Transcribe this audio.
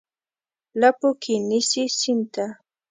لپو کې نیسي سیند ته،